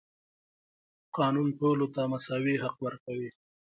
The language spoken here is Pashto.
دا قانون ټولو ته مساوي حق ورکوي.